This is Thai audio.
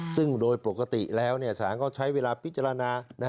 ซึ่งโดยปกติแล้วสารก็ใช้เวลาพิจารณา